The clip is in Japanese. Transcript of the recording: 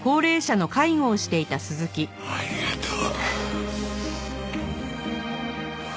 ありがとう。